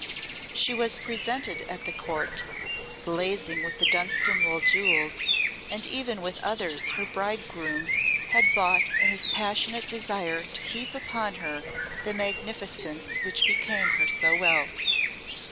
She was presented at the Court, blazing with the Dunstanwolde jewels, and even with others her bridegroom had bought in his passionate desire to heap upon her the magnificence which became her so well.